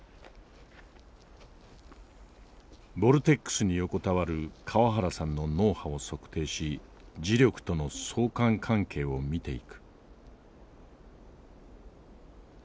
ボルテックスに横たわる川原さんの脳波を測定し磁力との相関関係を見ていく。